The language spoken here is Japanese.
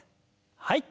はい。